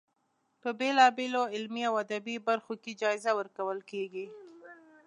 په بېلا بېلو علمي او ادبي برخو کې جایزه ورکول کیږي.